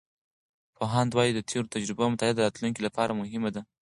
پوهاند وایي، د تیرو تجربو مطالعه د راتلونکي لپاره مهمه ده.